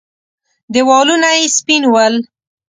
دېوالونه يې سپين ول.